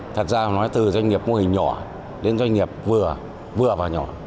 thật ra nói từ doanh nghiệp mô hình nhỏ đến doanh nghiệp vừa và nhỏ